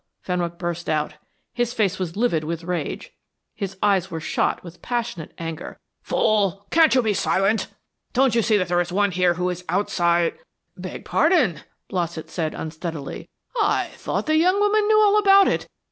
Fenwick burst out. His face was livid with rage, his eyes were shot with passionate anger. "Fool! can't you be silent? Don't you see that there is one here who is outside " "Beg pardon," Blossett said, unsteadily. "I thought the young woman knew all about it.